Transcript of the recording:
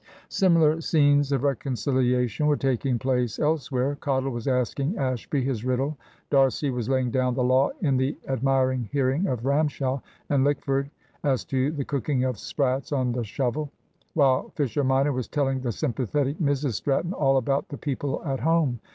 Similar scenes of reconciliation were taking place elsewhere. Cottle was asking Ashby his riddle; D'Arcy was laying down the law in the admiring hearing of Ramshaw and Lickford as to the cooking of sprats on the shovel; while Fisher minor was telling the sympathetic Mrs Stratton all about the people at home.